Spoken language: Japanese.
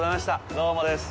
どうもです。